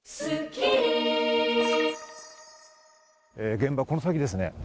現場この先です。